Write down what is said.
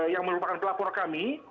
yang merupakan pelapor kami